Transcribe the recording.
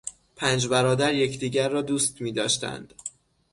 پنج برادر یکدیگر را دوست میداشتند.